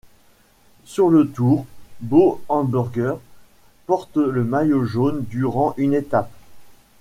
Sur le Tour, Bo Hamburger porte le maillot jaune durant une étape.